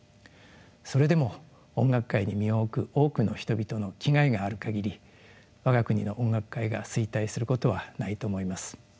それでも音楽界に身を置く多くの人々の気概がある限り我が国の音楽界が衰退することはないと思います。